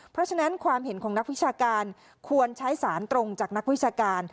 เพราะฉะนั้นความเห็นของนักวิชาการควรใช้สารตรงจากนักวิชาการ